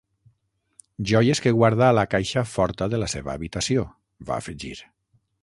"Joies que guarda a la caixa forta de la seva habitació", va afegir.